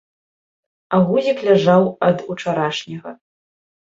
А гузік ляжаў ад учарашняга.